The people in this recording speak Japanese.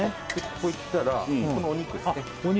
ここいったらこのお肉ですねお肉